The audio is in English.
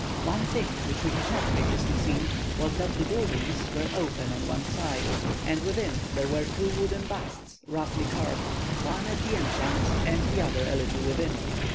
"One thing which we had not previously seen, was that the buildings were open on one side, and within there were two wooden busts, roughly carved, one at the entrance, and the other a little within.